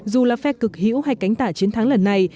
dù là phe cực hữu hay cánh tả chiến thắng lần này